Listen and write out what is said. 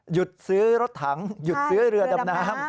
หยุดซื้อรถถังหยุดซื้อเรือดำน้ำ